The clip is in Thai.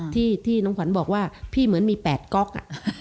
ที่น้องขวัญบอกว่าพี่เหมือนมี๘ก๊อก